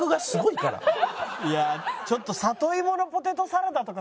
いやちょっと里芋のポテトサラダとか食べてみたいな。